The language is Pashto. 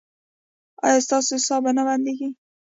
ایا ستاسو ساه به نه بندیږي؟